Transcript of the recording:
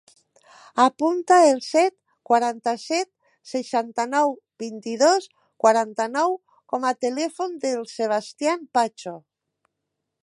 Apunta el set, quaranta-set, seixanta-nou, vint-i-dos, quaranta-nou com a telèfon del Sebastian Pacho.